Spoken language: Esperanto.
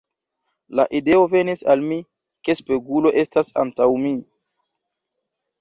La ideo venis al mi, ke spegulo estas antaŭ mi.